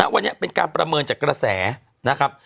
วันนี้เป็นการประเมินจากกระแสนะครับ